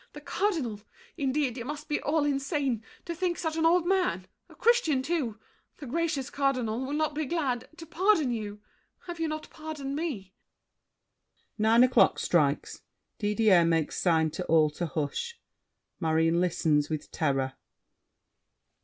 The Cardinal! Indeed, you must be all insane, To think such an old man—a Christian too, The gracious Cardinal—will not be glad To pardon you. Have you not pardoned me? [Nine o'clock strikes. Didier makes sign to all to hush. Marion listens with terror.